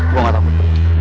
gue gak takut